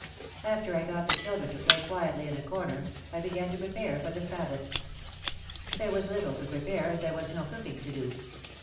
After I got the children to play quietly in a corner I began to prepare for the Sabbath. There was little to prepare as there was no cooking to do.